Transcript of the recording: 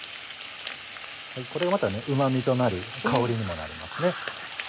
これがまたうまみとなる香りにもなりますね。